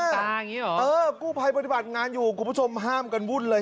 เอยอ่อใช่หรอกุพัยปฏิบัติงานอยู่กุพัชชมห้ามกันวุ่นเลย